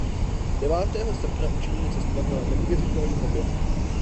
Devátého srpna učinili cestovatelé neuvěřitelný objev.